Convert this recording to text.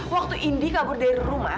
waktu indi kabur dari rumah